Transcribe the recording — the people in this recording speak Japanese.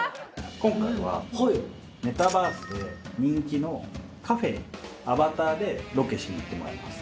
今回はメタバースで人気のカフェにアバターでロケしに行ってもらいます。